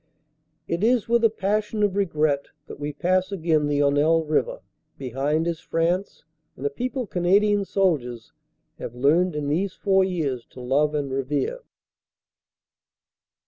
It is with a passion of regret that we pass again the Honelle River. Behind is France and a people Canadian soldiers have learned in these four years to love and revere.